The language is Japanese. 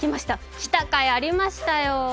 来たかいがありましたよ。